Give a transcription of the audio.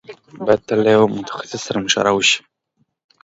بايد تل له يوه متخصص سره مشوره وشي.